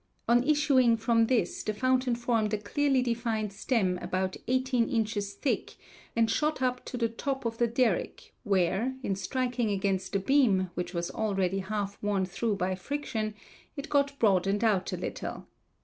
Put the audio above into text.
On issuing from this the fountain formed a clearly defined stem about 18 inches thick and shot up to the top of the derrick, where, in striking against the beam, which was already half worn through by friction, it got broadened out a little.